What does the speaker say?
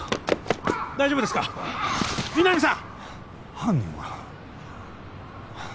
犯人は？